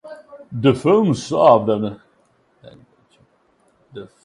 The film served as a non-canonical alternate opening for the third season.